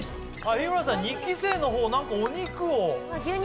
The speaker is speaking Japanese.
日村さん２期生のほうお肉を。